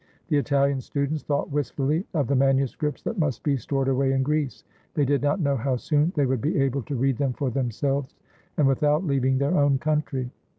The Italian students thought wistfully of the manuscripts that must be stored away in Greece. They did not know how soon they would be able to read them for themselves and without leaving their own country.